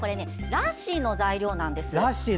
ラッシーの材料なんです。